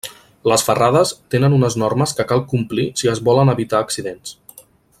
Les ferrades tenen unes normes que cal complir si es volen evitar accidents.